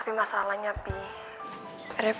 tapi masalahnya pi reva sekarang bener bener sama reva ya